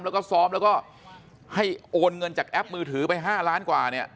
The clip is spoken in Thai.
แล้วก็ซ้อมแล้วก็ให้โอนเงินจากแอปมือถือไป๕ล้านกว่าเนี่ย